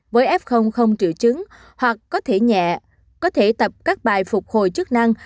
với f không trự trứng hoặc có thể nhẹ có thể tập các bài phục hồi chức năng